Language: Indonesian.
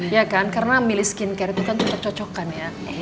iya kan karena milih skincare itu kan cocok cocokan ya